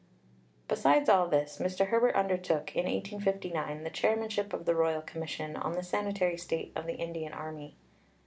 Besides all this, Mr. Herbert undertook in 1859 the chairmanship of the Royal Commission on the Sanitary State of the Indian Army.